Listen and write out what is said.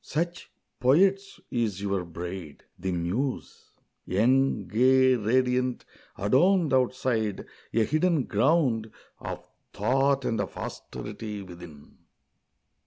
Such, poets, is your bride, the Muse! young, gay, Radiant, adorned outside; a hidden ground Of thought and of austerity within.